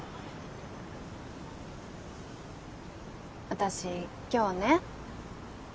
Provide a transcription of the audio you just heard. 私今日ね